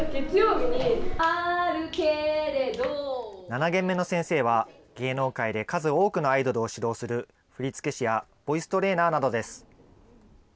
７限目の先生は、芸能界で数多くのアイドルを指導する、振付師やボイストレーナーなどです。